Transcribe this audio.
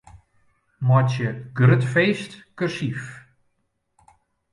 Meitsje 'grut feest' kursyf.